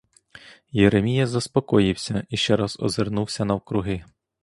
Єремія заспокоївся і ще раз озирнувся навкруги.